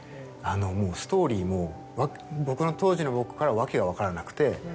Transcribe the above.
ストーリーも当時の僕からは訳が分からなくて。